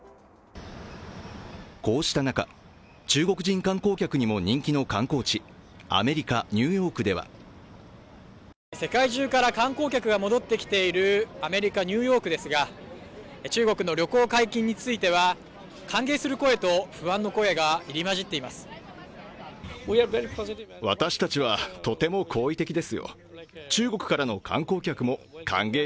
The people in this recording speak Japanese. こうした中、中国人観光客にも人気の観光地、アメリカ・ニューヨークでは世界中から観光客が戻ってきているアメリカ・ニューヨークですが中国の旅行解禁については歓迎する声と不安の声が入り交じっています。